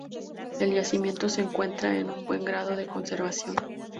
El yacimiento se encuentra en un buen grado de conservación.